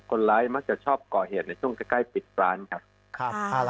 มักจะชอบก่อเหตุในช่วงใกล้ปิดร้านครับ